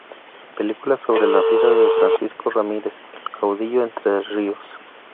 Película sobre la vida de Francisco Ramírez, el caudillo de Entre Ríos.